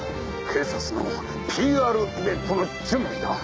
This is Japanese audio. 警察のＰＲイベントの準備だ。